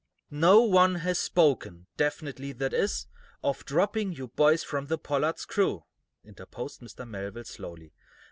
"No one has spoken definitely, that is of dropping you boys from the 'Pollard's' crew," interposed Mr. Melville, slowly.